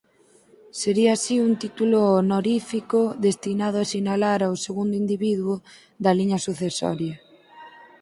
Sería así un título honorífico destinado a sinalar ao segundo individuo da liña sucesoria.